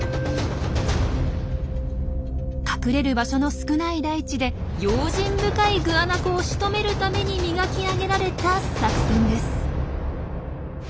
隠れる場所の少ない大地で用心深いグアナコをしとめるために磨き上げられた作戦です。